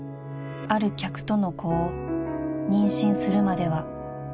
ある客との子を妊娠するまでは］